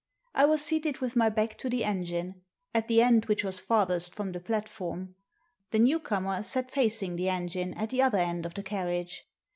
I was seated with my back to the engine, at the end which was farthest from the platform. The new comer sat facing the engine at the other end of the carriage.